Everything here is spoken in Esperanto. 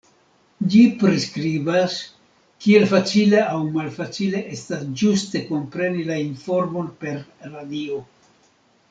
Ĝi priskribas kiel facile aŭ malfacile estas ĝuste kompreni la informon per radio.